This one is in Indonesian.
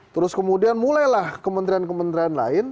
terus kemudian mulailah kementerian kementerian lain